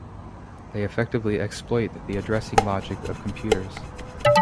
They effectively exploit the addressing logic of computers.